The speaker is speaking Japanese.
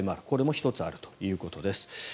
これも１つあるということです。